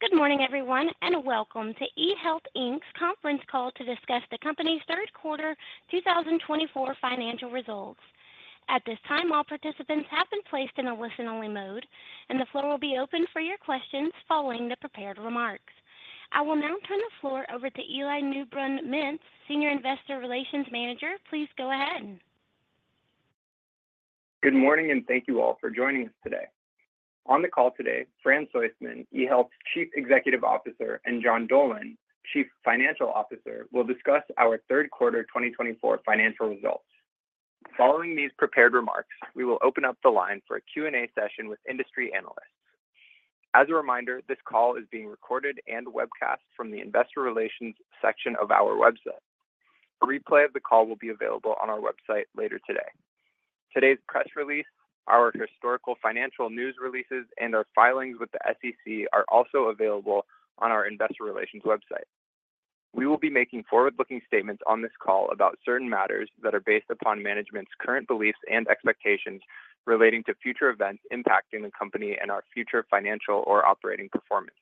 Good morning, everyone, and welcome to eHealth, Inc.'s conference call to discuss the company's Third Quarter 2024 Financial Results. At this time, all participants have been placed in a listen-only mode, and the floor will be open for your questions following the prepared remarks. I will now turn the floor over to Eli Newbrun-Mintz, Senior Investor Relations Manager. Please go ahead. Good morning, and thank you all for joining us today. On the call today, Fran Soistman, eHealth's Chief Executive Officer, and John Dolan, Chief Financial Officer, will discuss our third quarter 2024 financial results. Following these prepared remarks, we will open up the line for a Q&A session with industry analysts. As a reminder, this call is being recorded and webcast from the Investor Relations section of our website. A replay of the call will be available on our website later today. Today's press release, our historical financial news releases, and our filings with the SEC are also available on our Investor Relations website. We will be making forward-looking statements on this call about certain matters that are based upon management's current beliefs and expectations relating to future events impacting the company and our future financial or operating performance.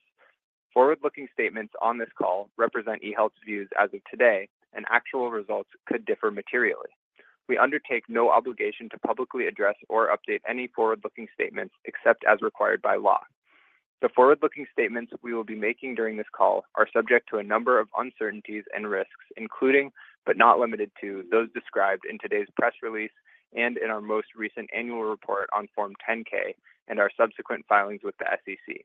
Forward-looking statements on this call represent eHealth's views as of today, and actual results could differ materially. We undertake no obligation to publicly address or update any forward-looking statements except as required by law. The forward-looking statements we will be making during this call are subject to a number of uncertainties and risks, including, but not limited to, those described in today's press release and in our most recent annual report on Form 10-K and our subsequent filings with the SEC.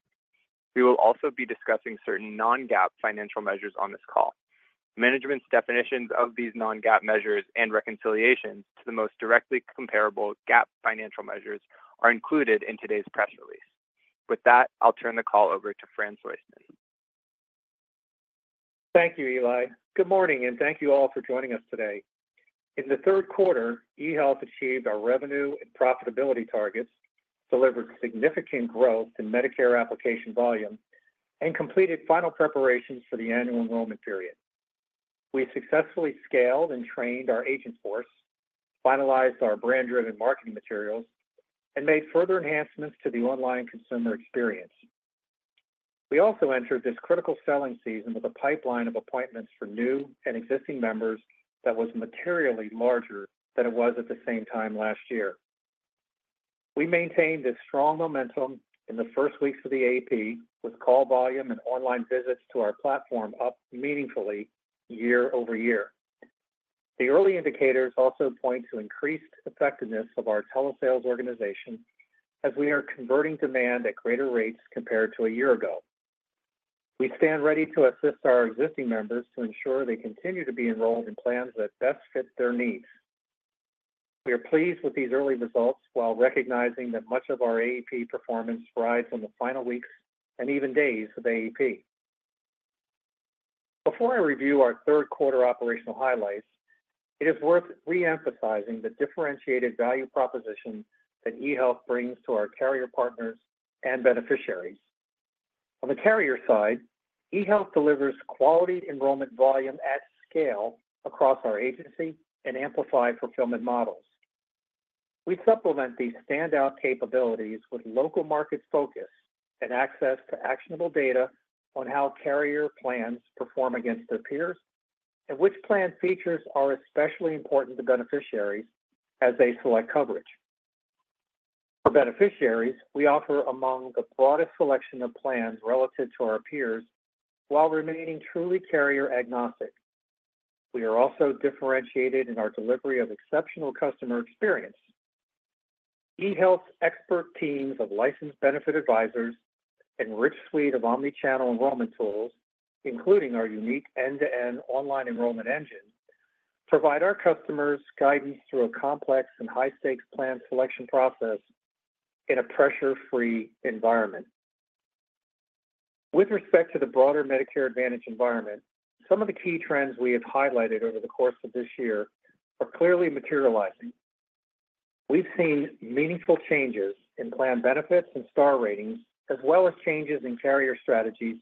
We will also be discussing certain non-GAAP financial measures on this call. Management's definitions of these non-GAAP measures and reconciliations to the most directly comparable GAAP financial measures are included in today's press release. With that, I'll turn the call over to Fran Soistman. Thank you, Eli. Good morning, and thank you all for joining us today. In the third quarter, eHealth achieved our revenue and profitability targets, delivered significant growth in Medicare application volume, and completed final preparations for the annual enrollment period. We successfully scaled and trained our agent force, finalized our brand-driven marketing materials, and made further enhancements to the online consumer experience. We also entered this critical selling season with a pipeline of appointments for new and existing members that was materially larger than it was at the same time last year. We maintained this strong momentum in the first weeks of the AEP, with call volume and online visits to our platform up meaningfully year-over-year. The early indicators also point to increased effectiveness of our telesales organization as we are converting demand at greater rates compared to a year ago. We stand ready to assist our existing members to ensure they continue to be enrolled in plans that best fit their needs. We are pleased with these early results while recognizing that much of our AEP performance rides on the final weeks and even days of AEP. Before I review our third quarter operational highlights, it is worth re-emphasizing the differentiated value proposition that eHealth brings to our carrier partners and beneficiaries. On the carrier side, eHealth delivers quality enrollment volume at scale across our agency and Amplify fulfillment models. We supplement these standout capabilities with local market focus and access to actionable data on how carrier plans perform against their peers and which plan features are especially important to beneficiaries as they select coverage. For beneficiaries, we offer among the broadest selection of plans relative to our peers while remaining truly carrier-agnostic. We are also differentiated in our delivery of exceptional customer experience. eHealth's expert teams of licensed benefit advisors and rich suite of omnichannel enrollment tools, including our unique end-to-end online enrollment engine, provide our customers guidance through a complex and high-stakes plan selection process in a pressure-free environment. With respect to the broader Medicare Advantage environment, some of the key trends we have highlighted over the course of this year are clearly materializing. We've seen meaningful changes in plan benefits and star ratings, as well as changes in carrier strategies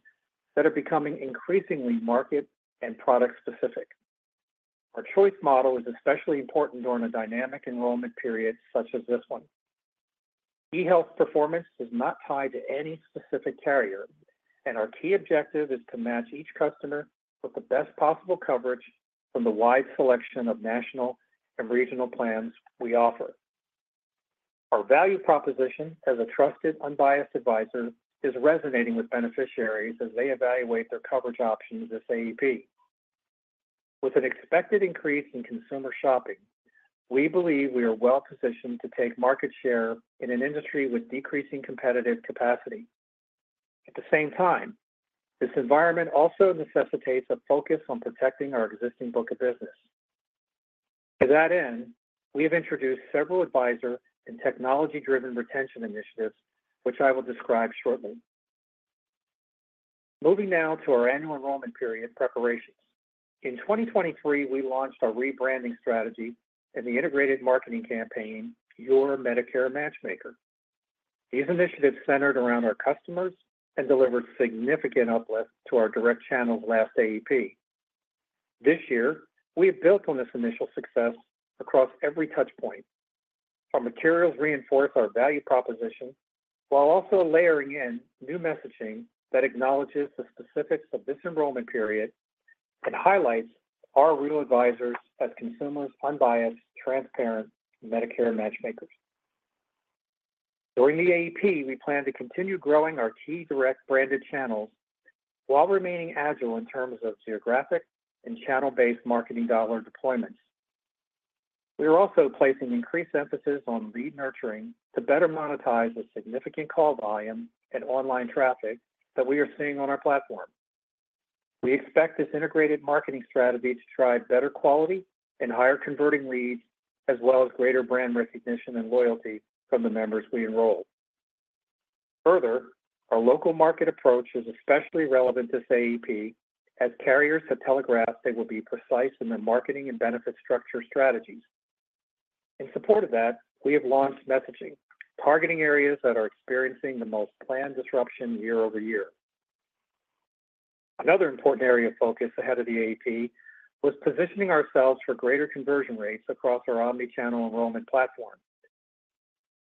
that are becoming increasingly market and product-specific. Our choice model is especially important during a dynamic enrollment period such as this one. eHealth's performance is not tied to any specific carrier, and our key objective is to match each customer with the best possible coverage from the wide selection of national and regional plans we offer. Our value proposition as a trusted, unbiased advisor is resonating with beneficiaries as they evaluate their coverage options this AEP. With an expected increase in consumer shopping, we believe we are well-positioned to take market share in an industry with decreasing competitive capacity. At the same time, this environment also necessitates a focus on protecting our existing book of business. To that end, we have introduced several advisor and technology-driven retention initiatives, which I will describe shortly. Moving now to our annual enrollment period preparations. In 2023, we launched our rebranding strategy and the integrated marketing campaign, Your Medicare Matchmaker. These initiatives centered around our customers and delivered significant uplift to our direct channel's last AEP. This year, we have built on this initial success across every touchpoint. Our materials reinforce our value proposition while also layering in new messaging that acknowledges the specifics of this enrollment period and highlights our real advisors as consumers' unbiased, transparent Medicare matchmakers. During the AP, we plan to continue growing our key direct branded channels while remaining agile in terms of geographic and channel-based marketing dollar deployments. We are also placing increased emphasis on lead nurturing to better monetize the significant call volume and online traffic that we are seeing on our platform. We expect this integrated marketing strategy to drive better quality and higher converting leads, as well as greater brand recognition and loyalty from the members we enroll. Further, our local market approach is especially relevant to this AP as carriers have telegraphed they will be precise in their marketing and benefit structure strategies. In support of that, we have launched messaging targeting areas that are experiencing the most plan disruption year-over-year. Another important area of focus ahead of the AEP was positioning ourselves for greater conversion rates across our omnichannel enrollment platform.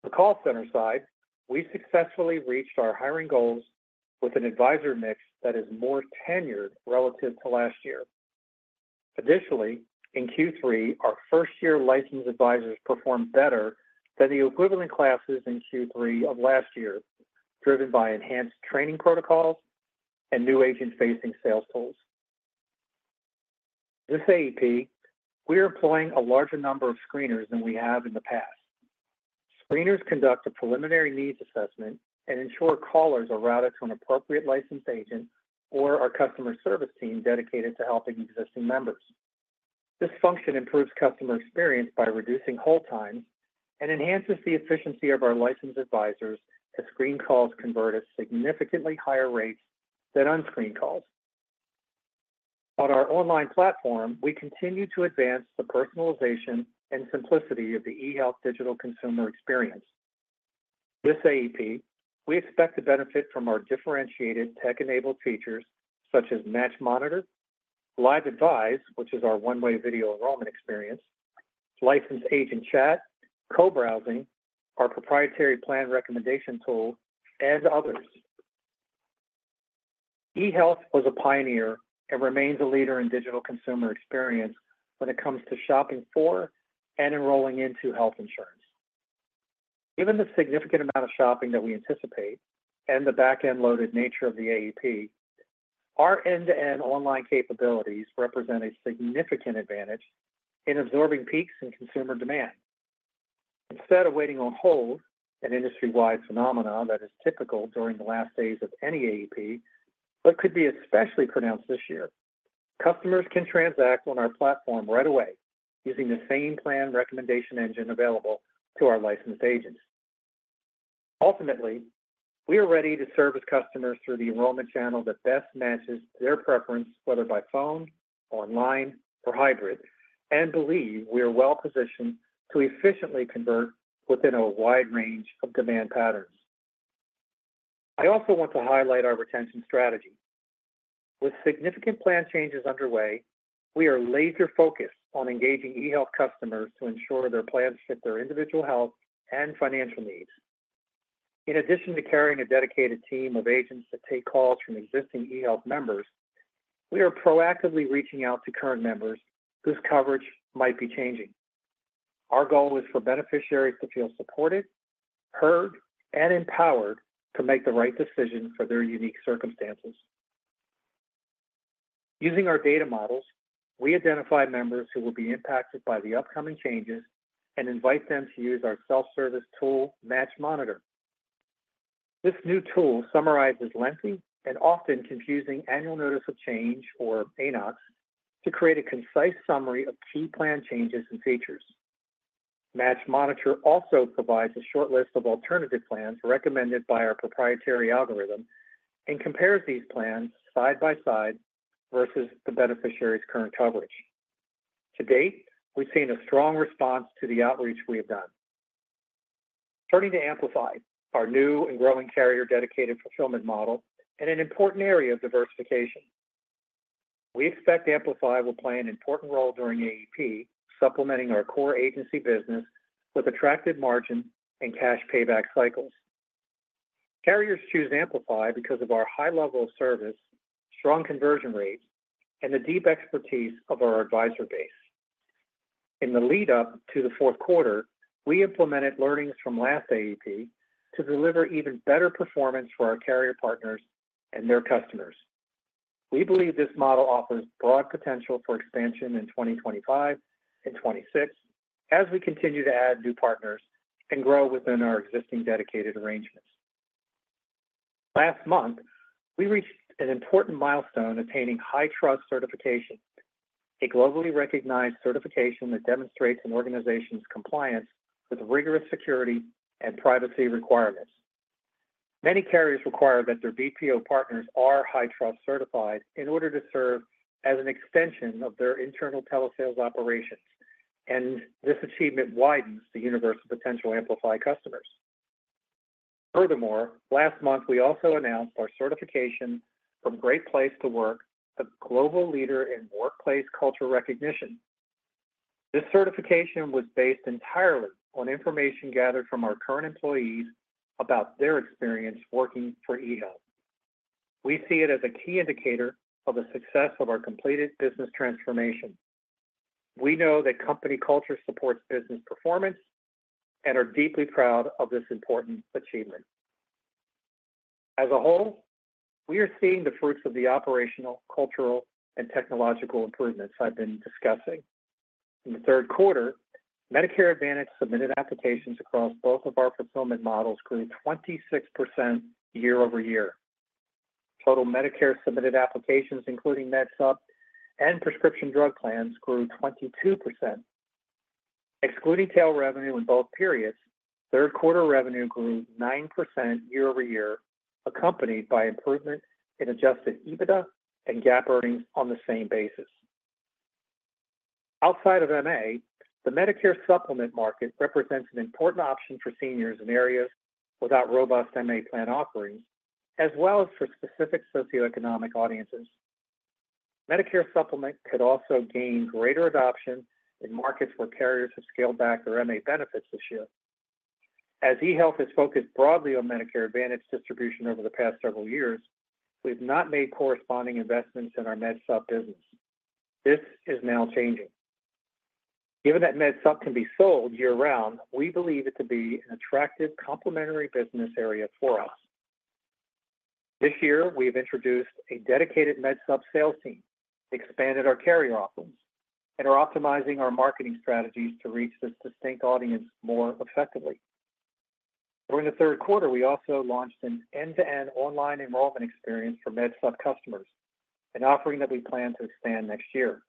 On the call center side, we successfully reached our hiring goals with an advisor mix that is more tenured relative to last year. Additionally, in Q3, our first-year licensed advisors performed better than the equivalent classes in Q3 of last year, driven by enhanced training protocols and new agent-facing sales tools. This AEP, we are employing a larger number of screeners than we have in the past. Screeners conduct a preliminary needs assessment and ensure callers are routed to an appropriate licensed agent or our customer service team dedicated to helping existing members. This function improves customer experience by reducing hold times and enhances the efficiency of our licensed advisors as screen calls convert at significantly higher rates than unscreened calls. On our online platform, we continue to advance the personalization and simplicity of the eHealth digital consumer experience. This AP, we expect to benefit from our differentiated tech-enabled features such as Match Monitor, LiveAdvise, which is our one-way video enrollment experience, licensed agent chat, co-browsing, our proprietary plan recommendation tool, and others. eHealth was a pioneer and remains a leader in digital consumer experience when it comes to shopping for and enrolling into health insurance. Given the significant amount of shopping that we anticipate and the back-end-loaded nature of the AP, our end-to-end online capabilities represent a significant advantage in absorbing peaks in consumer demand. Instead of waiting on hold, an industry-wide phenomenon that is typical during the last days of any AP, but could be especially pronounced this year, customers can transact on our platform right away using the same plan recommendation engine available to our licensed agents. Ultimately, we are ready to service customers through the enrollment channel that best matches their preference, whether by phone, online, or hybrid, and believe we are well-positioned to efficiently convert within a wide range of demand patterns. I also want to highlight our retention strategy. With significant plan changes underway, we are laser-focused on engaging eHealth customers to ensure their plans fit their individual health and financial needs. In addition to carrying a dedicated team of agents that take calls from existing eHealth members, we are proactively reaching out to current members whose coverage might be changing. Our goal is for beneficiaries to feel supported, heard, and empowered to make the right decision for their unique circumstances. Using our data models, we identify members who will be impacted by the upcoming changes and invite them to use our self-service tool, Match Monitor. This new tool summarizes lengthy and often confusing Annual Notice of Change, or ANOCs, to create a concise summary of key plan changes and features. Match Monitor also provides a short list of alternative plans recommended by our proprietary algorithm and compares these plans side by side versus the beneficiary's current coverage. To date, we've seen a strong response to the outreach we have done. Turning to Amplify, our new and growing carrier-dedicated fulfillment model and an important area of diversification. We expect Amplify will play an important role during AP, supplementing our core agency business with attractive margin and cash payback cycles. Carriers choose Amplify because of our high level of service, strong conversion rates, and the deep expertise of our advisor base. In the lead-up to the fourth quarter, we implemented learnings from last AP to deliver even better performance for our carrier partners and their customers. We believe this model offers broad potential for expansion in 2025 and 2026 as we continue to add new partners and grow within our existing dedicated arrangements. Last month, we reached an important milestone attaining HITRUST certification, a globally recognized certification that demonstrates an organization's compliance with rigorous security and privacy requirements. Many carriers require that their BPO partners are HITRUST certified in order to serve as an extension of their internal telesales operations, and this achievement widens the universe of potential Amplify customers. Furthermore, last month, we also announced our certification from Great Place to Work, a global leader in workplace culture recognition. This certification was based entirely on information gathered from our current employees about their experience working for eHealth. We see it as a key indicator of the success of our completed business transformation. We know that company culture supports business performance and are deeply proud of this important achievement. As a whole, we are seeing the fruits of the operational, cultural, and technological improvements I've been discussing. In the third quarter, Medicare Advantage submitted applications across both of our fulfillment models, grew 26% year-over-year. Total Medicare submitted applications, including Med Supp and prescription drug plans, grew 22%. Excluding tail revenue in both periods, third-quarter revenue grew 9% year-over-year, accompanied by improvement in adjusted EBITDA and GAAP earnings on the same basis. Outside of MA, the Medicare Supplement market represents an important option for seniors in areas without robust MA plan offerings, as well as for specific socioeconomic audiences. Medicare Supplement could also gain greater adoption in markets where carriers have scaled back their MA benefits this year. As eHealth has focused broadly on Medicare Advantage distribution over the past several years, we have not made corresponding investments in our Med Supp business. This is now changing. Given that Med Supp can be sold year-round, we believe it to be an attractive complementary business area for us. This year, we have introduced a dedicated Med Supp sales team, expanded our carrier offerings, and are optimizing our marketing strategies to reach this distinct audience more effectively. During the third quarter, we also launched an end-to-end online enrollment experience for Med Supp customers, an offering that we plan to expand next year.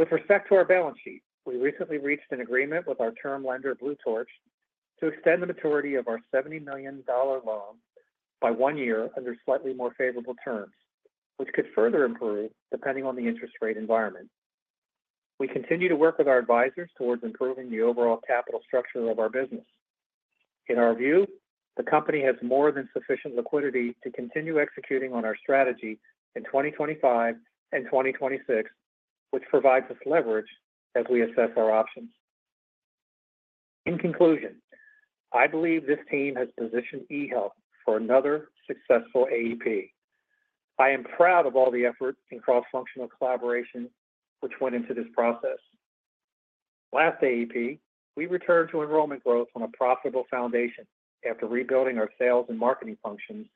With respect to our balance sheet, we recently reached an agreement with our term lender, Blue Torch, to extend the maturity of our $70 million loan by one year under slightly more favorable terms, which could further improve depending on the interest rate environment. We continue to work with our advisors towards improving the overall capital structure of our business. In our view, the company has more than sufficient liquidity to continue executing on our strategy in 2025 and 2026, which provides us leverage as we assess our options. In conclusion, I believe this team has positioned eHealth for another successful AP. I am proud of all the efforts and cross-functional collaboration which went into this process. Last AP, we returned to enrollment growth on a profitable foundation after rebuilding our sales and marketing functions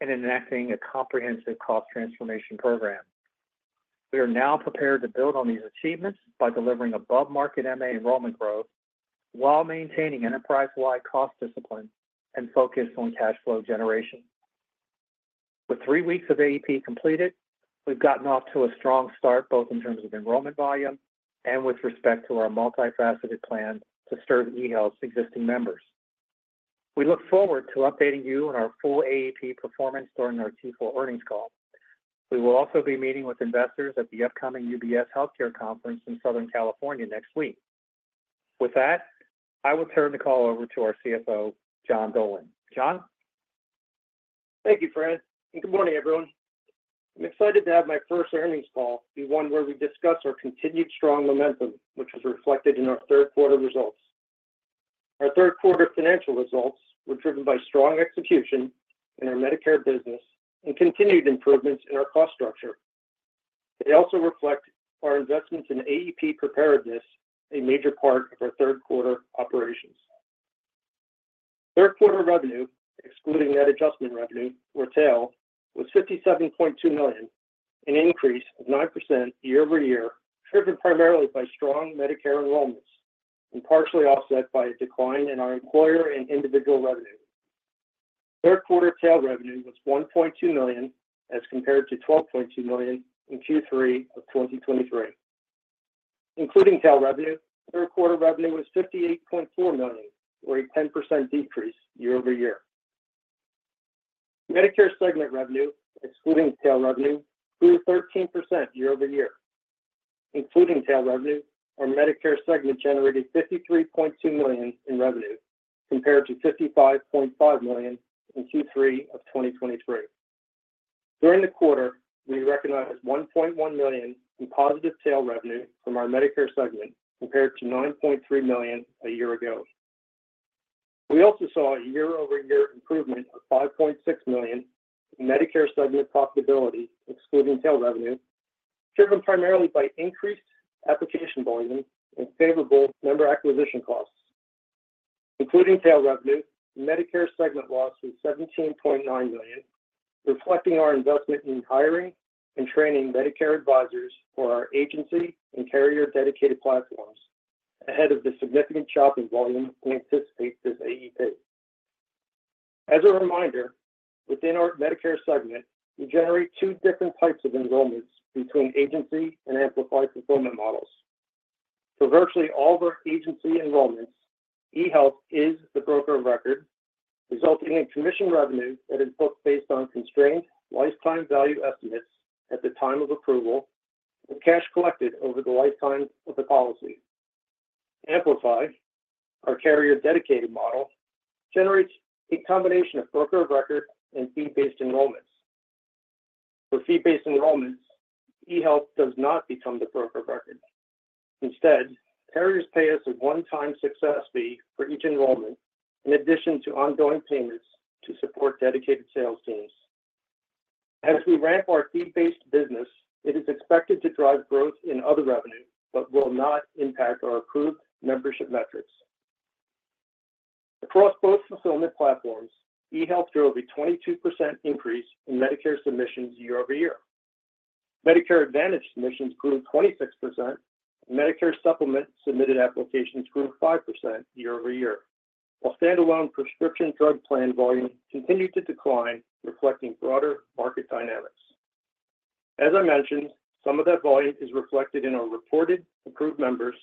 and enacting a comprehensive cost transformation program. We are now prepared to build on these achievements by delivering above-market MA enrollment growth while maintaining enterprise-wide cost discipline and focus on cash flow generation. With three weeks of AP completed, we've gotten off to a strong start both in terms of enrollment volume and with respect to our multifaceted plan to serve eHealth's existing members. We look forward to updating you on our full AP performance during our Q4 earnings call. We will also be meeting with investors at the upcoming UBS Healthcare Conference in Southern California next week. With that, I will turn the call over to our CFO, John Dolan. John? Thank you, Fran. And good morning, everyone. I'm excited to have my first earnings call, the one where we discuss our continued strong momentum, which was reflected in our third-quarter results. Our third-quarter financial results were driven by strong execution in our Medicare business and continued improvements in our cost structure. They also reflect our investments in AEP preparedness, a major part of our third-quarter operations. Third-quarter revenue, excluding net adjustment revenue, or tail, was $57.2 million, an increase of 9% year-over-year, driven primarily by strong Medicare enrollments and partially offset by a decline in our employer and individual revenue. Third-quarter tail revenue was $1.2 million as compared to $12.2 million in Q3 of 2023. Including tail revenue, third-quarter revenue was $58.4 million, or a 10% decrease year-over-year. Medicare segment revenue, excluding tail revenue, grew 13% year-over-year. Including tail revenue, our Medicare segment generated $53.2 million in revenue compared to $55.5 million in Q3 of 2023. During the quarter, we recognized $1.1 million in positive tail revenue from our Medicare segment compared to $9.3 million a year ago. We also saw a year-over-year improvement of $5.6 million in Medicare segment profitability, excluding tail revenue, driven primarily by increased application volume and favorable member acquisition costs. Including tail revenue, Medicare segment loss was $17.9 million, reflecting our investment in hiring and training Medicare advisors for our agency and carrier-dedicated platforms ahead of the significant shopping volume we anticipate this AEP. As a reminder, within our Medicare segment, we generate two different types of enrollments between agency and Amplify fulfillment models. For virtually all of our agency enrollments, eHealth is the broker of record, resulting in commission revenue that is booked based on constrained lifetime value estimates at the time of approval and cash collected over the lifetime of the policy. Amplify, our carrier-dedicated model, generates a combination of broker of record and fee-based enrollments. For fee-based enrollments, eHealth does not become the broker of record. Instead, carriers pay us a one-time success fee for each enrollment in addition to ongoing payments to support dedicated sales teams. As we ramp our fee-based business, it is expected to drive growth in other revenue, but will not impact our approved membership metrics. Across both fulfillment platforms, eHealth drove a 22% increase in Medicare submissions year-over-year. Medicare Advantage submissions grew 26%, and Medicare Supplement submitted applications grew 5% year-over-year, while standalone Prescription Drug Plan volume continued to decline, reflecting broader market dynamics. As I mentioned, some of that volume is reflected in our reported approved members,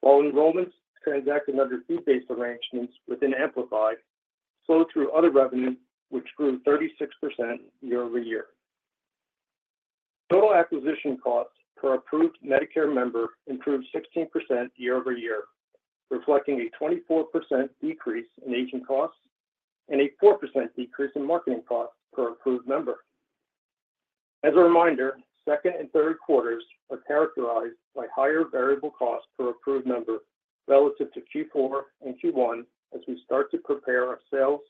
while enrollments transacted under fee-based arrangements within Amplify flowed through other revenue, which grew 36% year-over-year. Total acquisition costs per approved Medicare member improved 16% year-over-year, reflecting a 24% decrease in agent costs and a 4% decrease in marketing costs per approved member. As a reminder, second and third quarters are characterized by higher variable costs per approved member relative to Q4 and Q1 as we start to prepare our sales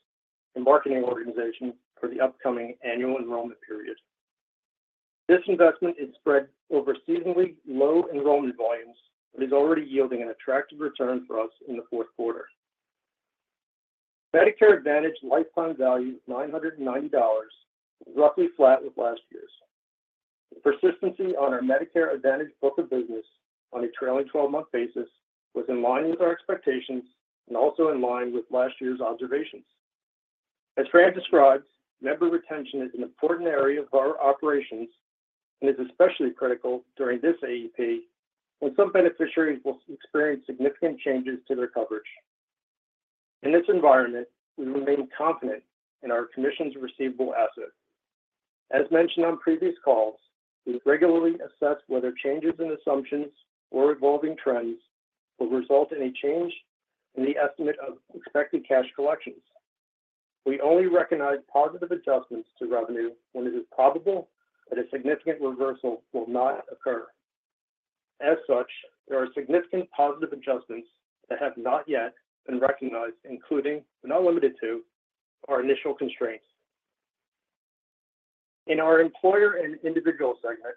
and marketing organizations for the upcoming annual enrollment period. This investment is spread over seasonally low enrollment volumes but is already yielding an attractive return for us in the fourth quarter. Medicare Advantage lifetime value of $990 is roughly flat with last year's. The persistency on our Medicare Advantage book of business on a trailing 12-month basis was in line with our expectations and also in line with last year's observations. As Fran described, member retention is an important area of our operations and is especially critical during this AP when some beneficiaries will experience significant changes to their coverage. In this environment, we remain confident in our commissions receivable asset. As mentioned on previous calls, we regularly assess whether changes in assumptions or evolving trends will result in a change in the estimate of expected cash collections. We only recognize positive adjustments to revenue when it is probable that a significant reversal will not occur. As such, there are significant positive adjustments that have not yet been recognized, including but not limited to our initial constraints. In our employer and individual segment,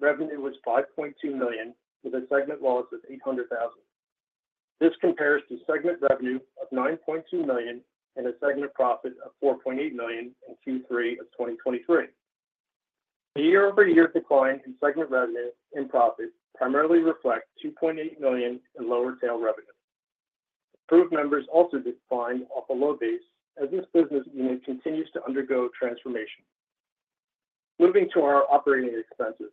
revenue was $5.2 million with a segment loss of $800,000. This compares to segment revenue of $9.2 million and a segment profit of $4.8 million in Q3 of 2023. The year-over-year decline in segment revenue and profit primarily reflects $2.8 million in lower tail revenue. Approved members also declined off a low base as this business unit continues to undergo transformation. Moving to our operating expenses,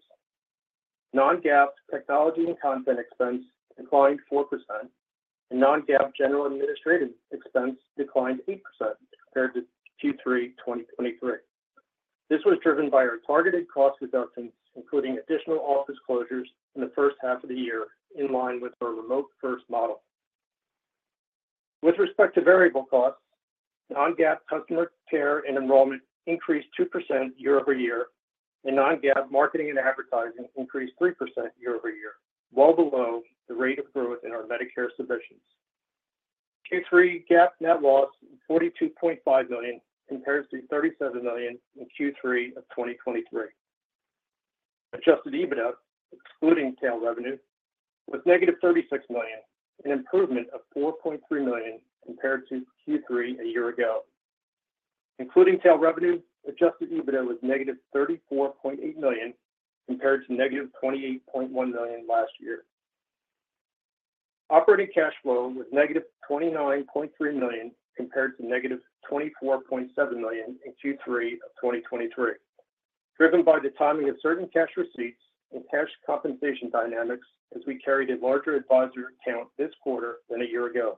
non-GAAP technology and content expense declined 4%, and non-GAAP general administrative expense declined 8% compared to Q3 2023. This was driven by our targeted cost reductions, including additional office closures in the first half of the year in line with our remote-first model. With respect to variable costs, non-GAAP customer care and enrollment increased 2% year-over-year, and non-GAAP marketing and advertising increased 3% year-over-year, well below the rate of growth in our Medicare submissions. Q3 GAAP net loss of $42.5 million compares to $37 million in Q3 of 2023. Adjusted EBITDA, excluding tail revenue, was negative $36 million, an improvement of $4.3 million compared to Q3 a year ago. Including tail revenue, adjusted EBITDA was negative $34.8 million compared to negative $28.1 million last year. Operating cash flow was negative $29.3 million compared to negative $24.7 million in Q3 of 2023, driven by the timing of certain cash receipts and cash compensation dynamics as we carried a larger advisor account this quarter than a year ago.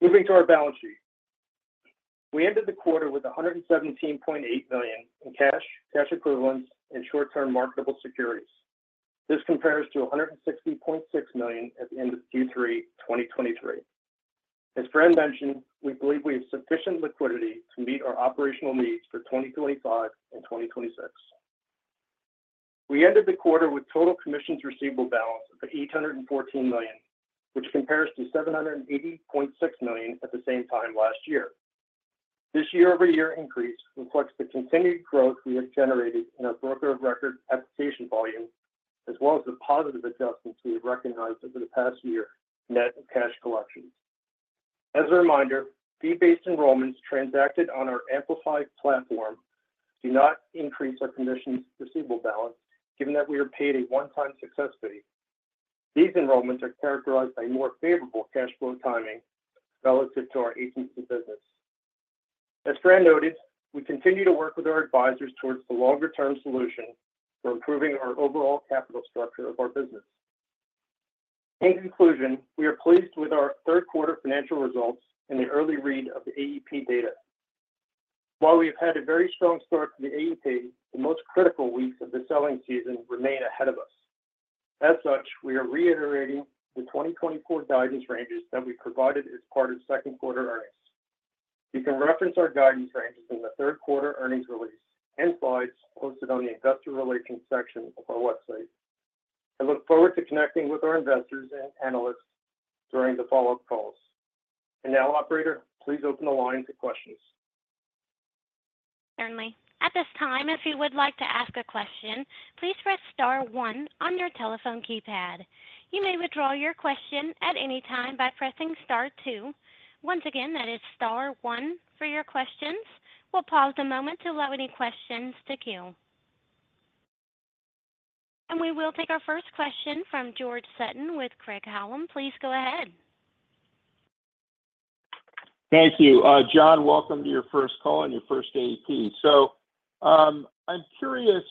Moving to our balance sheet, we ended the quarter with $117.8 million in cash, cash equivalents, and short-term marketable securities. This compares to $160.6 million at the end of Q3 2023. As Fran mentioned, we believe we have sufficient liquidity to meet our operational needs for 2025 and 2026. We ended the quarter with total commissions receivable balance of $814 million, which compares to $780.6 million at the same time last year. This year-over-year increase reflects the continued growth we have generated in our broker of record application volume, as well as the positive adjustments we have recognized over the past year in net cash collections. As a reminder, fee-based enrollments transacted on our Amplify platform do not increase our commissions receivable balance, given that we are paid a one-time success fee. These enrollments are characterized by more favorable cash flow timing relative to our agency business. As Fran noted, we continue to work with our advisors towards the longer-term solution for improving our overall capital structure of our business. In conclusion, we are pleased with our third-quarter financial results and the early read of the AEP data. While we have had a very strong start to the AEP, the most critical weeks of the selling season remain ahead of us. As such, we are reiterating the 2024 guidance ranges that we provided as part of second-quarter earnings. You can reference our guidance ranges in the third-quarter earnings release and slides posted on the investor relations section of our website. I look forward to connecting with our investors and analysts during the follow-up calls. And now, Operator, please open the line to questions. Certainly. At this time, if you would like to ask a question, please press Star 1 on your telephone keypad. You may withdraw your question at any time by pressing Star 2. Once again, that is Star 1 for your questions. We'll pause a moment to allow any questions to queue. And we will take our first question from George Sutton with Craig-Hallum Capital Group. Please go ahead. Thank you. John, welcome to your first call and your first AP. So I'm curious,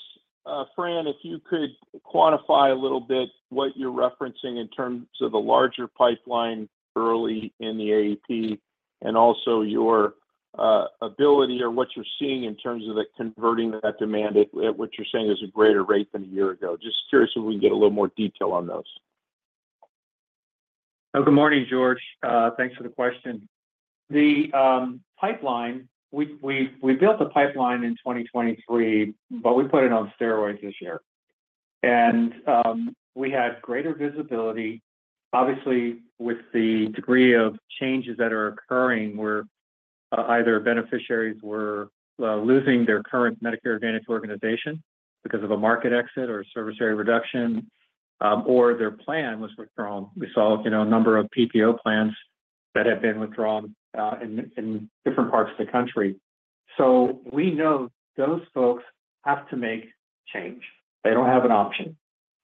Fran, if you could quantify a little bit what you're referencing in terms of the larger pipeline early in the AP and also your ability or what you're seeing in terms of converting that demand at what you're saying is a greater rate than a year ago? Just curious if we can get a little more detail on those? Good morning, George. Thanks for the question. The pipeline, we built a pipeline in 2023, but we put it on steroids this year. And we had greater visibility, obviously, with the degree of changes that are occurring where either beneficiaries were losing their current Medicare Advantage organization because of a market exit or a service area reduction, or their plan was withdrawn. We saw a number of PPO plans that had been withdrawn in different parts of the country. So we know those folks have to make change. They don't have an option,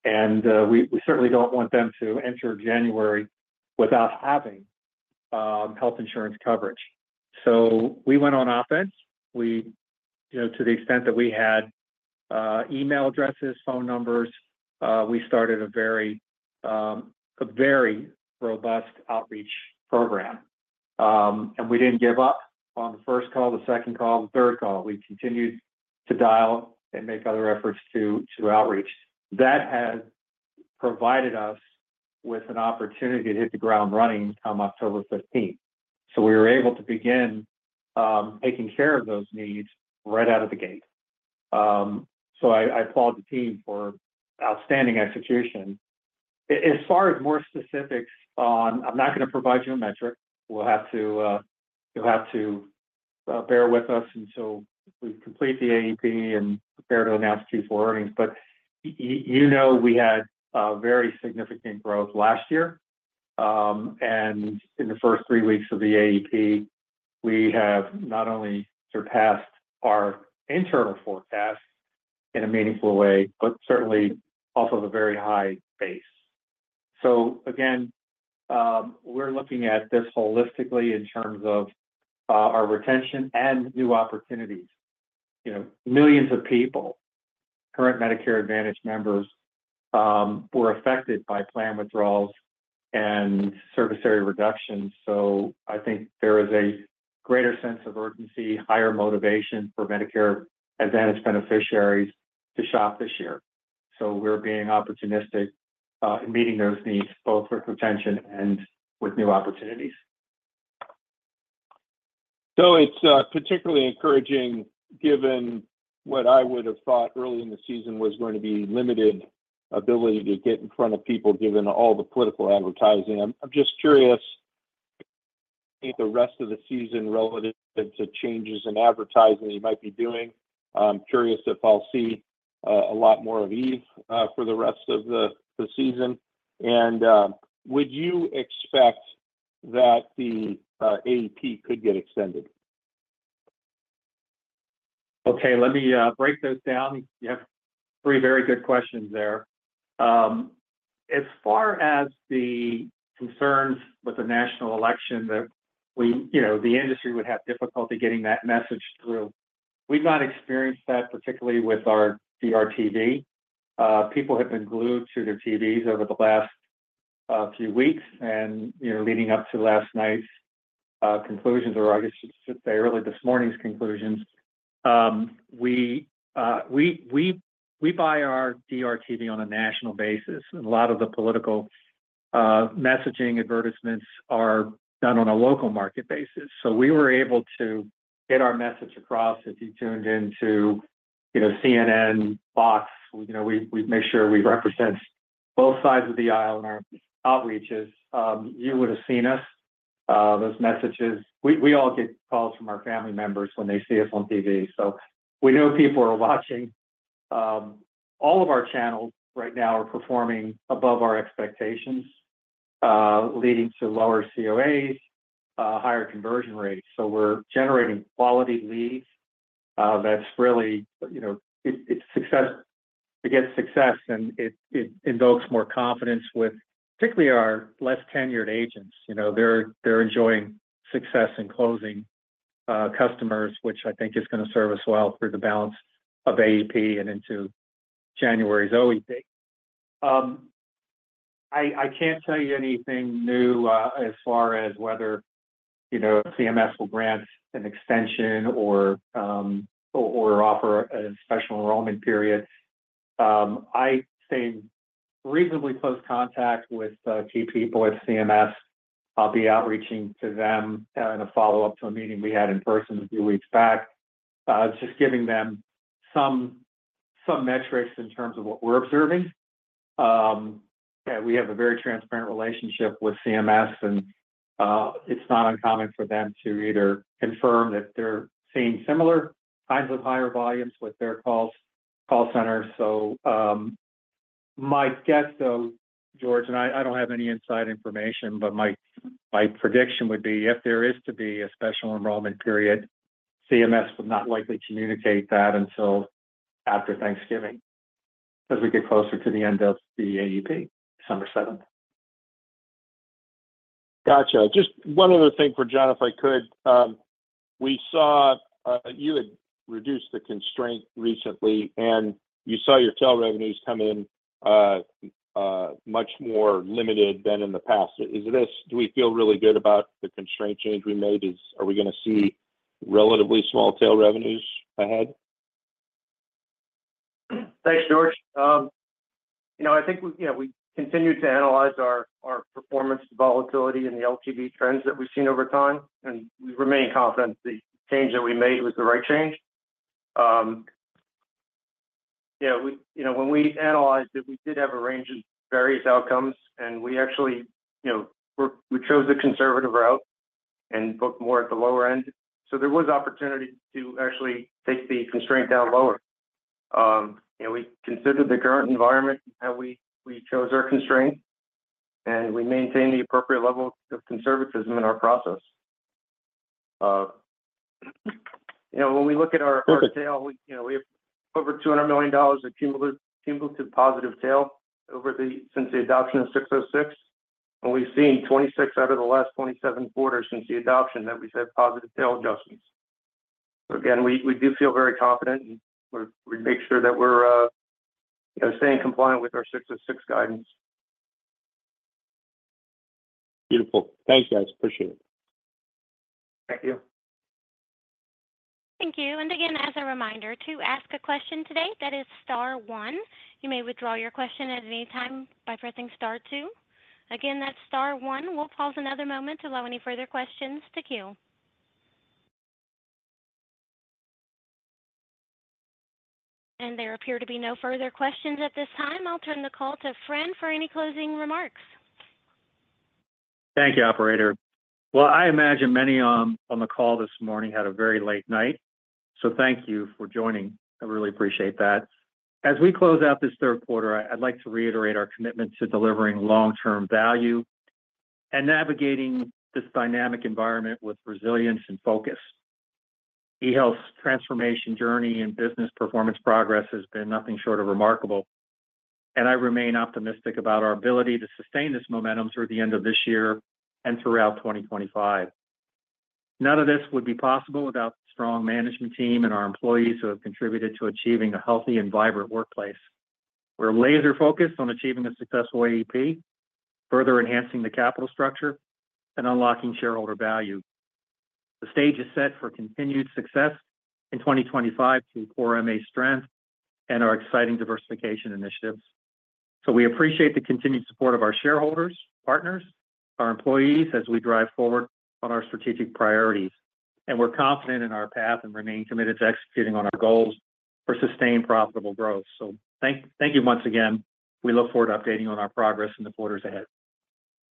and we certainly don't want them to enter January without having health insurance coverage, so we went on offense. To the extent that we had email addresses, phone numbers, we started a very robust outreach program, and we didn't give up on the first call, the second call, the third call. We continued to dial and make other efforts to outreach. That has provided us with an opportunity to hit the ground running come October 15th, so we were able to begin taking care of those needs right out of the gate, so I applaud the team for outstanding execution. As far as more specifics on, I'm not going to provide you a metric. You'll have to bear with us until we complete the AEP and prepare to announce Q4 earnings, but you know we had very significant growth last year. In the first three weeks of the AEP, we have not only surpassed our internal forecast in a meaningful way, but certainly off of a very high base. Again, we're looking at this holistically in terms of our retention and new opportunities. Millions of people, current Medicare Advantage members, were affected by plan withdrawals and service area reductions. I think there is a greater sense of urgency, higher motivation for Medicare Advantage beneficiaries to shop this year. We're being opportunistic in meeting those needs both with retention and with new opportunities. It's particularly encouraging given what I would have thought early in the season was going to be limited ability to get in front of people given all the political advertising. I'm just curious if the rest of the season relative to changes in advertising you might be doing? I'm curious if I'll see a lot more of Eve for the rest of the season, and would you expect that the AEP could get extended? Okay. Let me break those down. You have three very good questions there. As far as the concerns with the national election that the industry would have difficulty getting that message through, we've not experienced that particularly with our DRTV. People have been glued to their TVs over the last few weeks, and leading up to last night's conclusions, or I guess you should say early this morning's conclusions, we buy our DRTV on a national basis, and a lot of the political messaging advertisements are done on a local market basis, so we were able to get our message across. If you tuned into CNN, Fox, we make sure we represent both sides of the aisle in our outreaches. You would have seen us, those messages. We all get calls from our family members when they see us on TV. So we know people are watching. All of our channels right now are performing above our expectations, leading to lower COAs, higher conversion rates. So we're generating quality leads. That's really success. It gets success, and it invokes more confidence with particularly our less tenured agents. They're enjoying success in closing customers, which I think is going to serve us well through the balance of AEP and into January's OEP. I can't tell you anything new as far as whether CMS will grant an extension or offer a special enrollment period. I stayed reasonably close contact with key people at CMS. I'll be outreaching to them in a follow-up to a meeting we had in person a few weeks back, just giving them some metrics in terms of what we're observing. We have a very transparent relationship with CMS, and it's not uncommon for them to either confirm that they're seeing similar kinds of higher volumes with their call centers. So my guess, though, George, and I don't have any inside information, but my prediction would be if there is to be a special enrollment period, CMS would not likely communicate that until after Thanksgiving as we get closer to the end of the AEP, December 7th. Gotcha. Just one other thing for John, if I could. We saw you had reduced the constraint recently, and you saw your tail revenues come in much more limited than in the past. Do we feel really good about the constraint change we made? Are we going to see relatively small tail revenues ahead? Thanks, George. I think we continue to analyze our performance volatility and the LTV trends that we've seen over time, and we remain confident the change that we made was the right change. When we analyzed it, we did have a range of various outcomes, and we actually chose the conservative route and booked more at the lower end, so there was opportunity to actually take the constraint down lower. We considered the current environment, and we chose our constraint, and we maintained the appropriate level of conservatism in our process. When we look at our tail, we have over $200 million of cumulative positive tail since the adoption of 606, and we've seen 26 out of the last 27 quarters since the adoption that we've had positive tail adjustments. So again, we do feel very confident, and we make sure that we're staying compliant with our 606 guidance. Beautiful. Thanks, guys. Appreciate it. Thank you. Thank you. And again, as a reminder, to ask a question today, that is Star 1. You may withdraw your question at any time by pressing Star 2. Again, that's Star 1. We'll pause another moment to allow any further questions to queue. And there appear to be no further questions at this time. I'll turn the call to Fran for any closing remarks. Thank you, Operator. Well, I imagine many on the call this morning had a very late night. So thank you for joining. I really appreciate that. As we close out this third quarter, I'd like to reiterate our commitment to delivering long-term value and navigating this dynamic environment with resilience and focus. eHealth's transformation journey and business performance progress has been nothing short of remarkable, and I remain optimistic about our ability to sustain this momentum through the end of this year and throughout 2025. None of this would be possible without the strong management team and our employees who have contributed to achieving a healthy and vibrant workplace. We're laser-focused on achieving a successful AEP, further enhancing the capital structure, and unlocking shareholder value. The stage is set for continued success in 2025 through core MA's strength and our exciting diversification initiatives, so we appreciate the continued support of our shareholders, partners, our employees as we drive forward on our strategic priorities, and we're confident in our path and remain committed to executing on our goals for sustained profitable growth. So thank you once again. We look forward to updating on our progress in the quarters ahead.